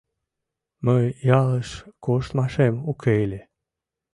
Мый ялыш коштмашем уке ыле.